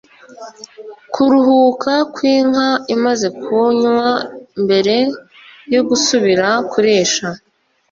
Kuruhuka kw’Inka imaze kunywa mbere yo gusubira kurisha